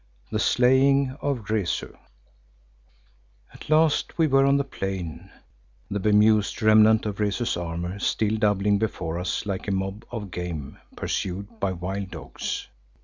THE SLAYING OF REZU At last we were on the plain, the bemused remnant of Rezu's army still doubling before us like a mob of game pursued by wild dogs.